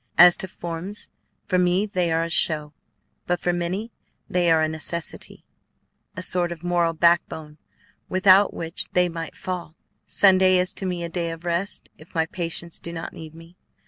As to forms, for me they are a show, but for many they are a necessity, a sort of moral backbone without which they might fall. Sunday is to me a day of rest if my patients do not need me.